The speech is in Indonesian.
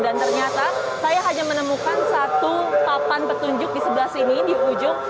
dan ternyata saya hanya menemukan satu papan petunjuk di sebelah sini di ujung